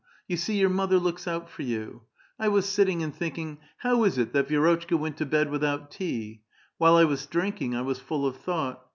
You see your mother looks out for you. I was sitting and thinking, ^ How is it that Vi^rotchka went to bed without tea?' While I was drinking 1 was full of thought.